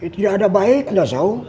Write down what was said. tidak ada baiknya